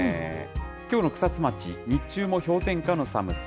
きょうの草津町、日中も氷点下の寒さ。